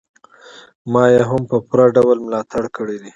ما يې هم په پوره ډول ملاتړ کړی دی.